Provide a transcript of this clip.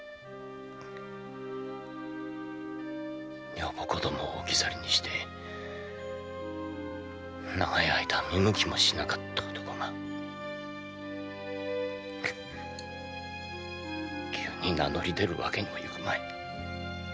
女房子供を置き去りにして長い間見向きもしなかった男が急に名乗り出るわけにもいくまい。